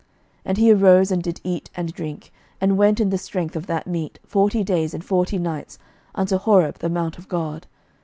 11:019:008 And he arose, and did eat and drink, and went in the strength of that meat forty days and forty nights unto Horeb the mount of God.